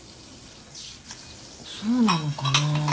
そうなのかな。